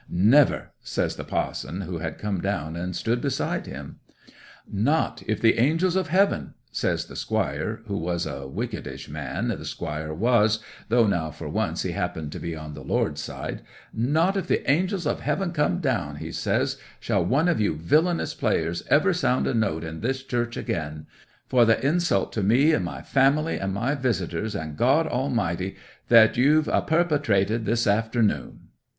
'"Never!" says the pa'son, who had come down and stood beside him. '"Not if the Angels of Heaven," says the squire (he was a wickedish man, the squire was, though now for once he happened to be on the Lord's side)—"not if the Angels of Heaven come down," he says, "shall one of you villanous players ever sound a note in this church again; for the insult to me, and my family, and my visitors, and God Almighty, that you've a perpetrated this afternoon!"